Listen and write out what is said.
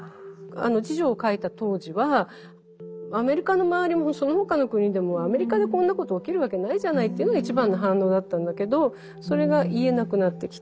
「侍女」を書いた当時はアメリカの周りもその他の国でもアメリカでこんなこと起きるわけないじゃないっていうのが一番の反応だったんだけどそれが言えなくなってきた。